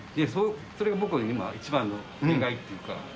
それが僕の今、一番の願いっていうか。